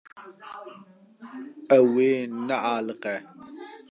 Ew ê nealiqe.